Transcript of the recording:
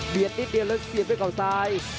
เบียดนิดเดียวแล้วเสียบด้วยเก่าซ้าย